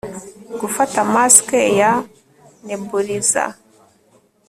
gufata mask ya nebulizer